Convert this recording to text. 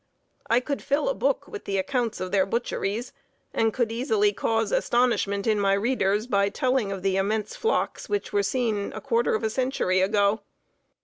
I could fill a book with the accounts of their butcheries, and could easily cause astonishment in my readers by telling of the immense flocks which were seen a quarter of a century ago.